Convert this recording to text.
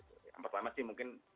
oke terima kasih